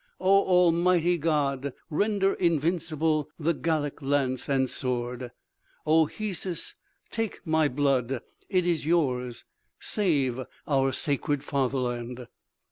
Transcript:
"Oh, Almighty God! Render invincible the Gallic lance and sword! Oh, Hesus, take my blood, it is yours ... save our sacred fatherland!"